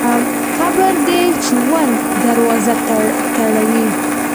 قبر د ژوند دروازه تړوي.